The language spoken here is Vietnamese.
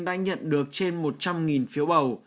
đã nhận được trên một trăm linh phiếu bầu